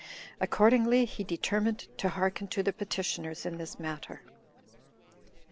Accordingly, he determined to hearken to the petitioners in this matter. 5.